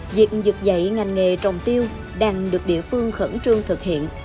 việc dựt dậy ngành nghề trồng tiêu đang được địa phương khẩn trương thực hiện